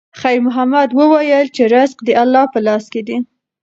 خیر محمد وویل چې رزق د الله په لاس کې دی.